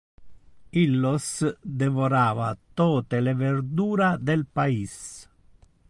Illos devorava tote le verdura del pais.